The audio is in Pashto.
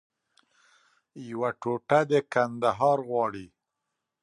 یوه ټوټه د کندهار غواړي